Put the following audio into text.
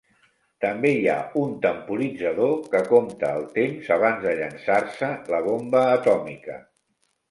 També hi ha un temporitzador que compta el temps abans de llançar-se la bomba atòmica.